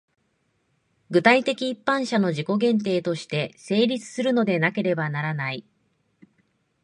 具体的一般者の自己限定として成立するのでなければならない。